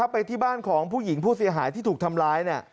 ไปที่บ้านของผู้หญิงผู้เสียหายที่ถูกทำร้าย